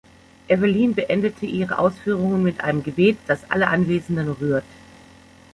Evelyn beendete ihre Ausführungen mit einem Gebet, das alle Anwesenden rührt.